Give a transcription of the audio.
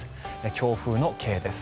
強風のＫです。